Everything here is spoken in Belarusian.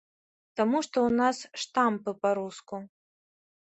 Таму што ў нас штампы па-руску.